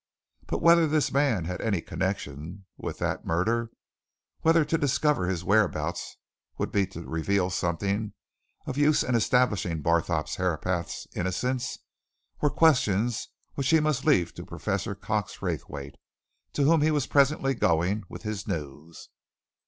But whether this man had any connection with that murder, whether to discover his whereabouts would be to reveal something of use in establishing Barthorpe Herapath's innocence, were questions which he must leave to Professor Cox Raythwaite, to whom he was presently going with his news.